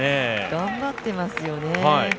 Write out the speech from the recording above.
頑張っていますよね。